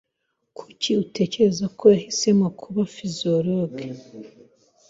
Kuki utekereza ko yahisemo kuba psychologue?